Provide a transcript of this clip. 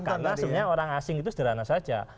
karena sebenarnya orang asing itu sederhana saja